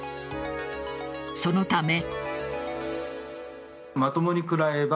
そのため。